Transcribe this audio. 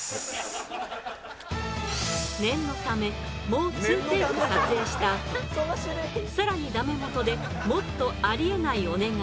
念のためもう２テイク撮影したあと更にダメもとでもっとあり得ないお願いを。